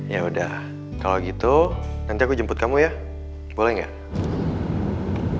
ya udah kalau gitu nanti aku jemput kamu ya boleh nggak